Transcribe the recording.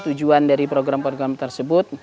tujuan dari program program tersebut